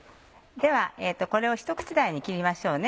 ではこれをひと口大に切りましょう。